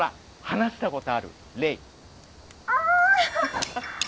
話したことある黎！？